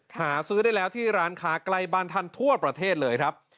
หาซื้อได้แล้วที่ร้านค้าใกล้บ้านท่านทั่วประเทศเลยครับ